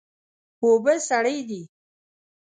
اوبه سړې دي